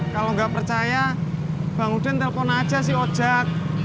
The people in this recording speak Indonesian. kalau nggak percaya bang uden telpon aja si ojak